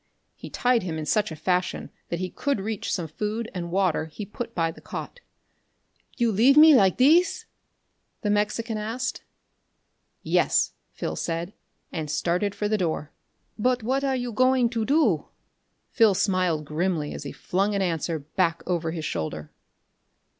He tied him in such a fashion that he could reach some food and water he put by the cot. "You leave me like thees?" the Mexican asked. "Yes," Phil said, and started for the door. "But what you going to do?" Phil smiled grimly as he flung an answer back over his shoulder.